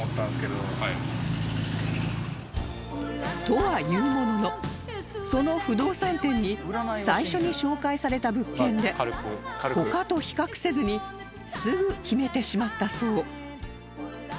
とはいうもののその不動産店に最初に紹介された物件で他と比較せずにすぐ決めてしまったそう